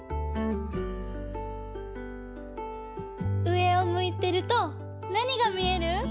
うえをむいてるとなにがみえる？